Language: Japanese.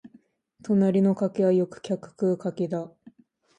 隣の柿はよく客食う柿だ